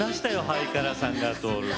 「はいからさんが通る」。